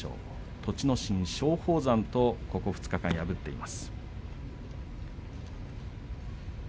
栃ノ心、松鳳山とここ２日間敗れています。